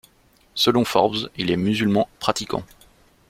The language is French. Selon Forbes, il est musulman pratiquant.